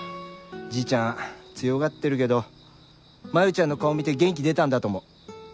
じいちゃん強がってるけど真夢ちゃんの顔見て元気出たんだと思う。